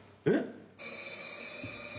えっ？